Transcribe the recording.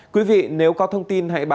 quý vị nếu có thông tin hãy bảo đảm bảo